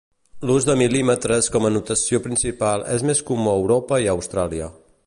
L'ús de mil·límetres com a notació principal és més comú a Europa i Austràlia.